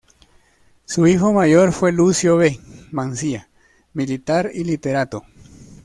Su hijo mayor fue Lucio V. Mansilla, militar y literato.